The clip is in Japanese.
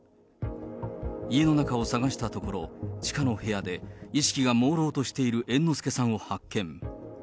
家の中を探したところ、地下の部屋で意識がもうろうとしている猿之助さんを発見。